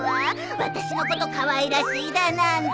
私のことかわいらしいだなんて。